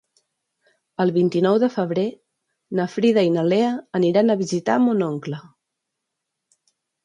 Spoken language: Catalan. El vint-i-nou de febrer na Frida i na Lea aniran a visitar mon oncle.